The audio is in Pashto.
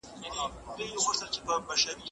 که موږ بې پروايي وکړو، ځمکه به زيان وويني.